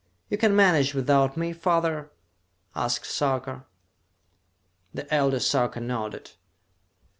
"You can manage without me, father?" asked Sarka. The elder Sarka nodded.